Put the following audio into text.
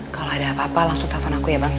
kalau ada apa apa langsung telpon aku ya bang